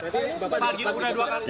tapi bapak gini udah dua kali